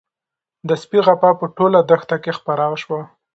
د سپي غپا په ټوله دښته کې خپره شوه.